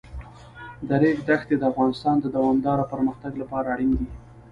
د ریګ دښتې د افغانستان د دوامداره پرمختګ لپاره اړین دي.